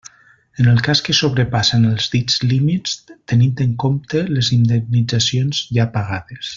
En el cas que sobrepassen els dits límits, tenint en compte les indemnitzacions ja pagades.